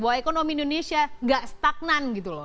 bahwa ekonomi indonesia tidak stagnasi